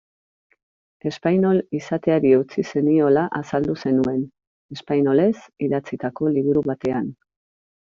Espainol izateari utzi zeniola azaldu zenuen, espainolez idatzitako liburu batean.